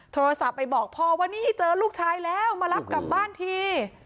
โทรศัพท์ไปบอกพ่อว่านี่เจอลูกชายแล้วมารับกลับบ้านที